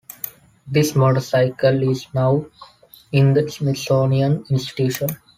This motorcycle is now in the Smithsonian Institution.